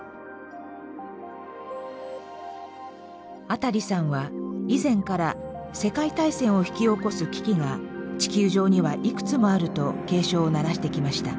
アタリさんは以前から世界大戦を引き起こす危機が地球上にはいくつもあると警鐘を鳴らしてきました。